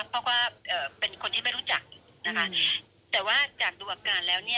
เพราะว่าเป็นคนที่ไม่กันนะคะแต่ว่าอยากต้องดูอาการแล้ว